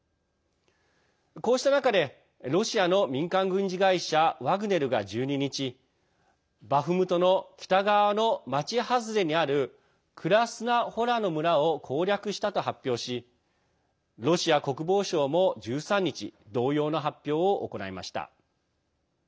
こうした中でロシアの民間軍事会社ワグネルが１２日、バフムトの北側の町外れにあるクラスナ・ホラの村を攻略したと発表しロシア国防省も１３日同様の発表を行いました。